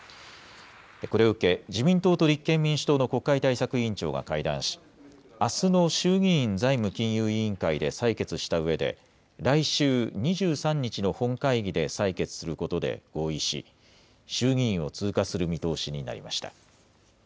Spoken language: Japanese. これを受け、自民党と立憲民主党の国会対策委員長が会談し、あすの衆議院財務金融委員会で採決したうえで、来週２３日の本会議で採決することで合意し、衆議院を通過する見通しになりました。